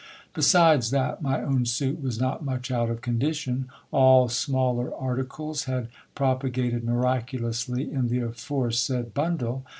Besides that my own suit was not much out of condition, all smaller articles had propagated miraculously in the aforesaid bundle.